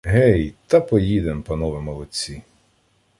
Гей, та поїдем, панове молодці